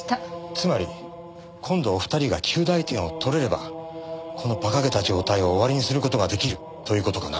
つまり今度お二人が及第点を取れればこの馬鹿げた状態を終わりにする事が出来るという事かな？